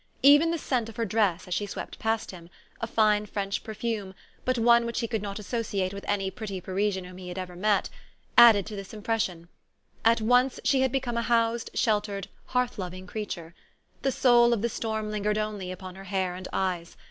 Even the scent of her dress as she swept past him a fine French perfume, but one which he could not associate with any pretty Parisian whom he had ever met added to this impression. At once she had become a housed, sheltered, hearth loving crea ture. The soul of the storm lingered only upon her hair and eyes.